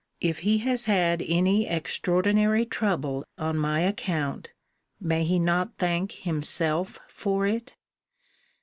If he has had any extraordinary trouble on my account, may he not thank himself for it?